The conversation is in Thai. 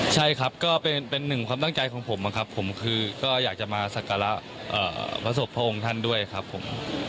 ใช่ครับก็เป็นหนึ่งความตั้งใจของผมนะครับผมคือก็อยากจะมาสักการะพระศพพระองค์ท่านด้วยครับผม